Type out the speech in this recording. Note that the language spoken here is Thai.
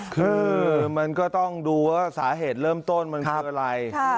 คือมันก็ต้องดูว่าสาเหตุเริ่มต้นมันคืออะไร